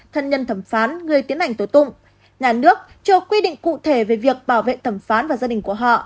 thân nhân thẩm phán người tiến hành tổ tụng nhà nước chưa quy định cụ thể về việc bảo vệ thẩm phán và gia đình của họ